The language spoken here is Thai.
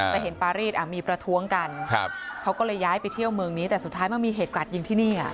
แต่เห็นปารีสมีประท้วงกันเขาก็เลยย้ายไปเที่ยวเมืองนี้แต่สุดท้ายมันมีเหตุกราดยิงที่นี่